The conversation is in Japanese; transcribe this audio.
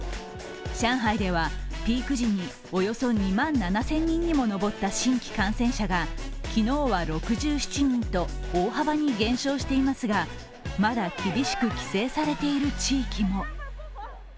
上海では、ピーク時におよそ２万７０００人にも上った新規感染者が昨日は６７人と大幅に減少していますが、まだ厳しく規制されている地域も。